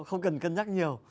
không cần cân nhắc nhiều